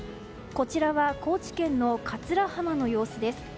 こちらは高知県の桂浜の様子です。